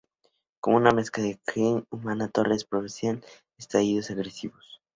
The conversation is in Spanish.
Como una mezcla de Klingon y humana, Torres era propensa a estallidos agresivos.